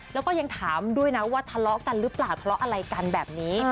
แล้วก็ยังถามด้วยนะว่าทะเลาะกันหรือเปล่าทะเลาะอะไรกันแบบนี้